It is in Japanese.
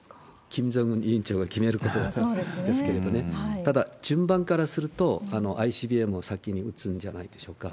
キム・ジョンウン委員長が決めることですけれどね、ただ、順番からすると、ＩＣＢＭを先に撃つんじゃないでしょうか。